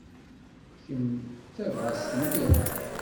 Kemm d tabɣast mliḥ.